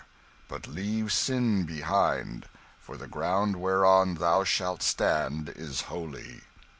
but leave sin behind, for the ground whereon thou shalt stand is holy!"